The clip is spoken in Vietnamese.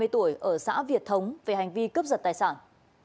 ba mươi tuổi ở xã việt thống về hành vi cướp giật tài sản